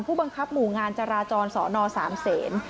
ผู้บังคับหมู่งานจราจรสนสามเศษ